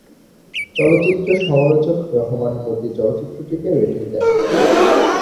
চলচ্চিত্র সমালোচক রহমান মতি চলচ্চিত্রটিকে রেটিং দেন।